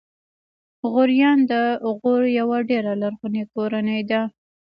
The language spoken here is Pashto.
غوریان د غور یوه ډېره لرغونې کورنۍ ده.